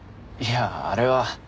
いやあれは。